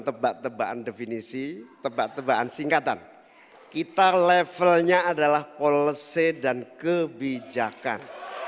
tebak tebaan definisi tebak tebaan singkatan kita levelnya adalah policy dan kebijakan